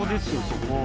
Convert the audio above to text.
そこ。